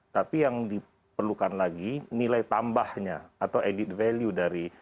tapi yang diperlukan lagi nilai tambahnya atau added value dari